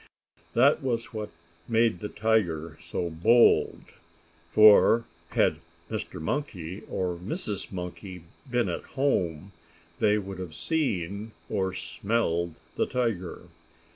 That was what made the tiger so bold. For, had Mr. Monkey, or Mrs. Monkey, been at home they would have seen, or smelled the tiger.